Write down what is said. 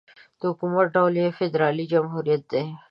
د حکومت ډول یې فدرالي جمهوريت دی.